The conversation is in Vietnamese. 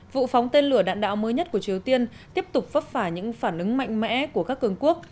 vụ phóng tên lửa đạn đạo mới nhất của triều tiên tiếp tục vấp phải những phản ứng mạnh mẽ của các cường quốc